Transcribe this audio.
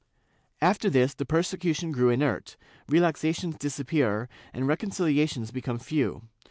^ After this, persecution grew inert, relaxations disappear and reconciliations become few.